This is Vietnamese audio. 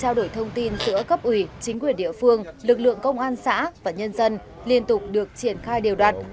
trao đổi thông tin giữa cấp ủy chính quyền địa phương lực lượng công an xã và nhân dân liên tục được triển khai đều đặn